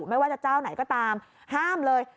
ไม่ว่าจะเจ้าไหนก็ตามห้ามเลย